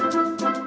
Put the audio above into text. ini kita lihat